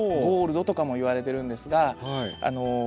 ゴールドとかもいわれてるんですが。